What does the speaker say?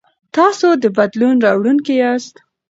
تاسو د بدلون راوړونکي یاست.